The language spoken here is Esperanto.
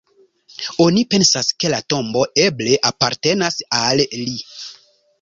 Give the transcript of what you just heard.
Oni pensas, ke la tombo eble apartenas al li.